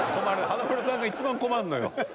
華丸さんがいちばん困るのよ。